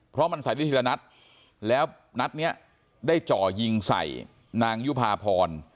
เพราะมันใส่ได้ทีละนัดแล้วนัดเนี้ยได้จ่อยิงใส่นางยุภาพร